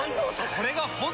これが本当の。